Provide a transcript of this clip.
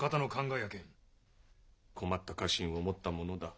困った家臣を持ったものだ。